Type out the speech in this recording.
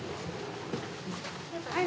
はい。